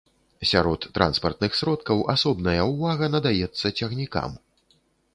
Сярод транспартных сродкаў асобная ўвага надаецца цягнікам.